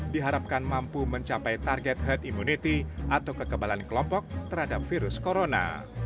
diharapkan mampu mencapai target herd immunity atau kekebalan kelompok terhadap virus corona